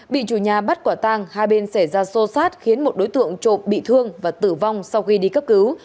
bị chủ nhà bắt quả tang hai bên xảy ra xô xát khiến một đối tượng trộm bị thương và tử vong sau khi đi cấp cứu